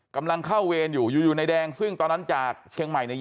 กำลังเข้าเวรอยู่อยู่ในแดงซึ่งตอนนั้นจากเชียงใหม่เนี่ย